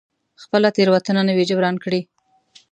خپله تېروتنه نه وي جبران کړې.